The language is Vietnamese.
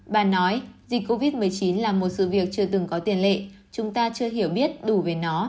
bà nói dịch covid một mươi chín là một sự việc chưa từng có tiền lệ chúng ta chưa hiểu biết đủ về nó